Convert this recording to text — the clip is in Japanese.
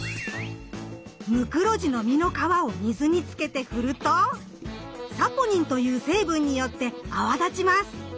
ムクロジの実の皮を水につけて振ると「サポニン」という成分によって泡立ちます。